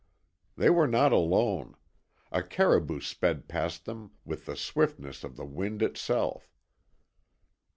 They were not alone. A caribou sped past them with the swiftness of the wind itself.